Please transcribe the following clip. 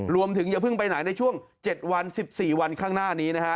อย่าเพิ่งไปไหนในช่วง๗วัน๑๔วันข้างหน้านี้นะฮะ